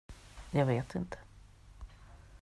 Jag vet inte.